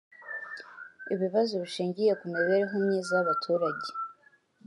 ibibazo bishingiye ku mibereho myiza y’abaturage